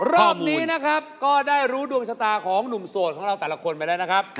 รอบนี้นะครับก็ได้รู้ดวงชะตาของหนุ่มโสดของเราแต่ละคนไปแล้วนะครับ